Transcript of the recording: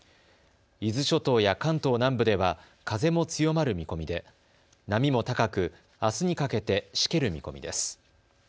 伊豆諸島や関東南部では風も強まる見込みで波も高く、あすにかけてしける見込みです。